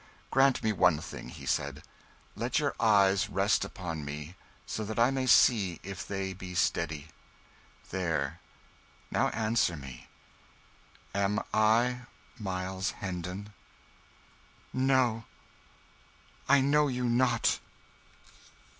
"Grant me one thing," he said. "Let your eyes rest upon mine, so that I may see if they be steady. There now answer me. Am I Miles Hendon?" "No. I know you not."